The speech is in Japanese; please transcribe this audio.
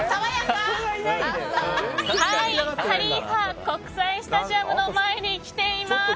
ハリーファ国際スタジアムの前に来ています。